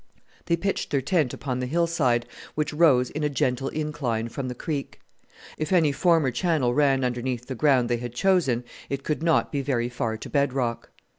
They pitched their tent upon the hillside, which rose in a gentle incline from the creek. If any former channel ran underneath the ground they had chosen it could not be very far to bed rock.